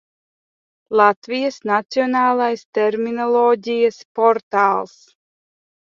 Latvijas Nacionālais terminoloģijas portāls